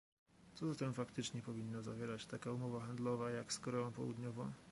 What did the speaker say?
Co zatem faktycznie powinna zawierać taka umowa handlowa, jak z Koreą Południową?